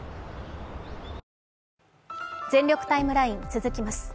「全力ＴＩＭＥライン」続きます。